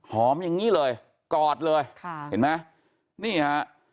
หอมอย่างนี้เลยกอดเลยเห็นไหม